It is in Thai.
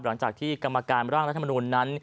หลังจากที่กรรมการร่างรัฐมนุนนั้น